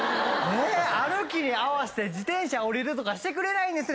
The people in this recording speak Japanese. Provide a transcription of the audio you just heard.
歩きに合わせて自転車降りるとかしてくれないんですね。